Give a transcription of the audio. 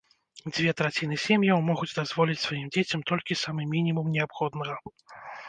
Дзве траціны сем'яў могуць дазволіць сваім дзецям толькі самы мінімум неабходнага.